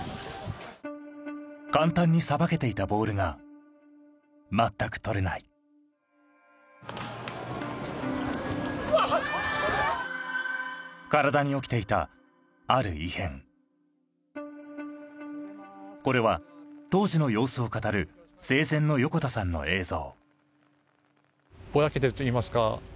簡単にさばけていたボールが全く捕れないうわっ体に起きていたある異変これは当時の様子を語る生前の横田さんの映像